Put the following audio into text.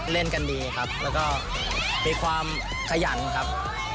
เล่นกันดีครับแล้วก็มีความขยันครับ